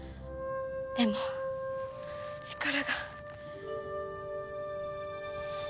でも力が。